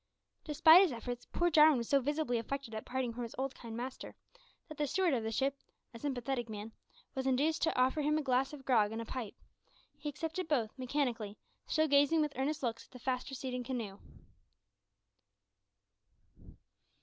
Despite his efforts, poor Jarwin was so visibly affected at parting from his kind old master, that the steward of the ship, a sympathetic man, was induced to offer him a glass of grog and a pipe. He accepted both, mechanically, still gazing with earnest looks at the fast receding canoe.